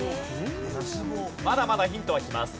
まだまだヒントはきます。